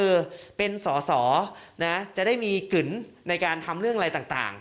คือเป็นสอสอนะจะได้มีกึ่นในการทำเรื่องอะไรต่าง